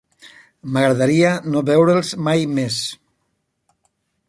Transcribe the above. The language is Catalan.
M'agradaria no veure'ls mai més.